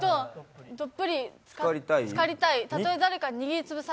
どっぷりつかりたいたとえ